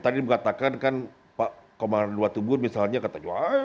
tadi dikatakan kan pak komar dua tubur misalnya